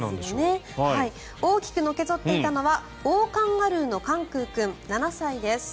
大きくのけ反っていたのはオオカンガルーのカンクー君７歳です。